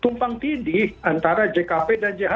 tumpang tidih antara jkp dan cht dan prinsipnya sudah berbeda